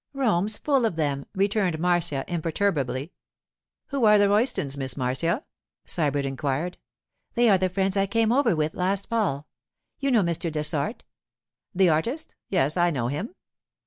'Rome's full of them,' returned Marcia imperturbably. 'Who are the Roystons, Miss Marcia?' Sybert inquired. 'They are the friends I came over with last fall. You know Mr. Dessart?' 'The artist? Yes, I know him.